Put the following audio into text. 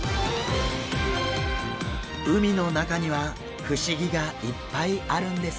海の中には不思議がいっぱいあるんですね。